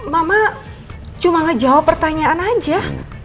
mama cuma ngejawab pertanyaan aja